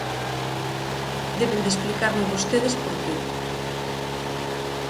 Deben de explicarme vostedes por que.